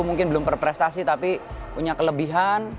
mungkin belum berprestasi tapi punya kelebihan